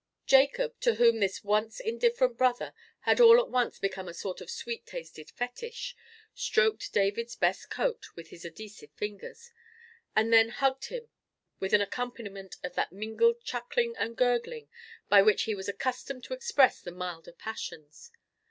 Jacob, to whom this once indifferent brother had all at once become a sort of sweet tasted fetish, stroked David's best coat with his adhesive fingers, and then hugged him with an accompaniment of that mingled chuckling and gurgling by which he was accustomed to express the milder passions.